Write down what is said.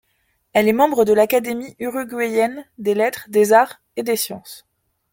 Elle est membre de l'Académie uruguayenne des lettres, des arts et des sciences.